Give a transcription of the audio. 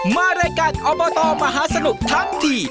มารายการอบตมหาสนุกทั้งที